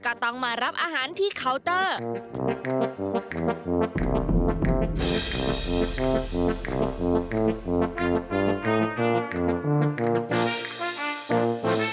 ก็ต้องมารับอาหารที่เคาน์เตอร์